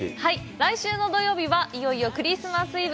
来週の土曜日は、いよいよクリスマスイブ。